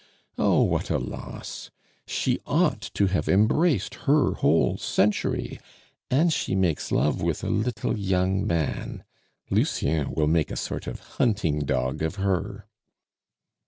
Oh, what a loss! She ought to have embraced her whole century, and she makes love with a little young man! Lucien will make a sort of hunting dog of her."